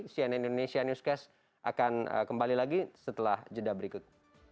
cnn indonesia newscast akan kembali lagi setelah jeda berikut